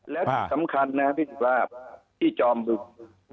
และที่สำคัญนะพี่สุภาพพี่จอมบึก